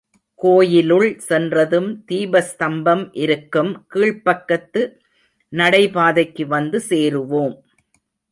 கோயிலுள் சென்றதும் தீபஸ்தம்பம் இருக்கும் கீழ்பக்கத்து நடைபாதைக்கு வந்து சேருவோம்.